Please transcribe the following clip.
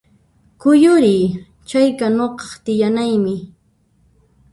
Kuyuriy! Chayqa nuqaq tiyanaymi